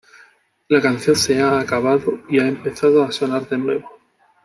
La canción se ha acabado... y ha empezado a sonar de nuevo.